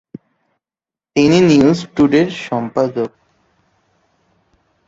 তিনি "নিউজ টুডে"র সম্পাদক।